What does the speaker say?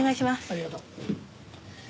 ありがとう。